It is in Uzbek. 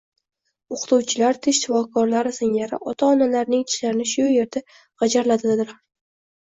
O'qituvchilar, tish shifokorlari singari, ota -onalarining tishlarini shu erda g'ijirlatadilar